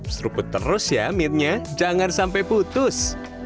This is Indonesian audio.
seruput terus ya mid nya jangan sampai putus